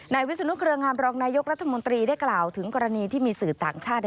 วิศนุเครืองามรองนายกรัฐมนตรีได้กล่าวถึงกรณีที่มีสื่อต่างชาติ